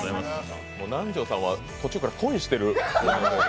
南條さんは途中から恋してる。